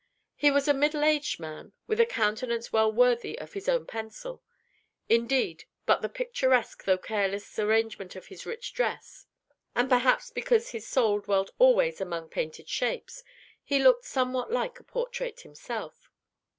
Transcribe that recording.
He was a middle aged man, with a countenance well worthy of his own pencil. Indeed, by the picturesque though careless arrangement of his rich dress, and, perhaps, because his soul dwelt always among painted shapes, he looked somewhat like a portrait himself.